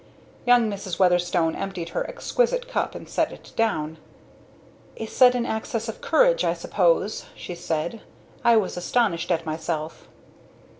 Young Mrs. Weatherstone emptied her exquisite cup and set it down. "A sudden access of courage, I suppose," she said. "I was astonished at myself."